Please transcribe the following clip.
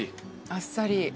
あっさり。